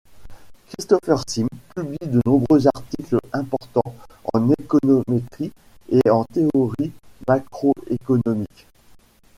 Christopher Sims publie de nombreux articles importants en économétrie et en théorie macroéconomique.